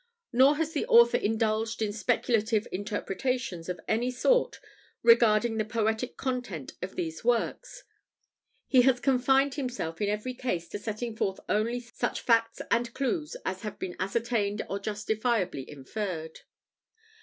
Nor has the author indulged in speculative "interpretations" of any sort regarding the poetic content of these works; he has confined himself in every case to setting forth only such facts and clews as have been ascertained or justifiably inferred.